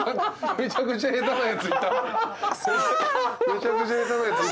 めちゃくちゃ下手なやついたわ。